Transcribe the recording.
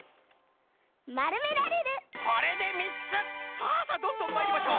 さあさあどんどんまいりましょう！